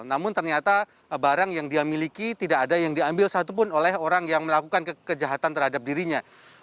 namun ternyata barang yang dia miliki tidak ada yang diambil satupun oleh orang yang melakukan kejahatan terhadap dirinya